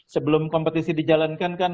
sebelum kompetisi dijalankan